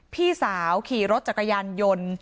พี่สาวขี่รถจักรยานยนต์